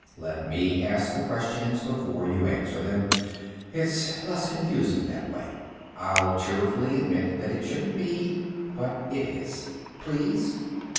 Let me ask the questions before you answer them. It's less confusing that way. I'll cheerfully admit that it shouldn't be but it is. Please?"